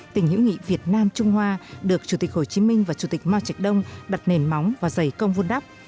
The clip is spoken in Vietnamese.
tình hữu nghị việt nam trung hoa được chủ tịch hồ chí minh và chủ tịch mao trạch đông đặt nền móng và dày công vun đắp